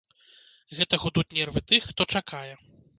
Гэта гудуць нервы тых, хто чакае.